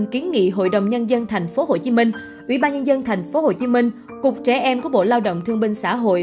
kiến nghị hội đồng nhân dân tp hcm ủy ban nhân dân tp hcm cục trẻ em của bộ lao động thương binh xã hội